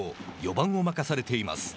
４番を任されています。